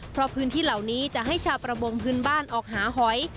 เพราะพื้นที่เหล่านี้จะให้ชาวประมงพื้นบ้านออกหาหอย